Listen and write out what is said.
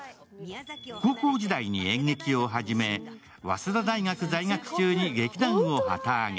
高校時代に演劇を始め早稲田大学在学中に劇団を旗揚げ。